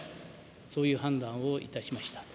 そういう判断をいたしました。